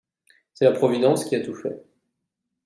C’est la providence qui a tout fait.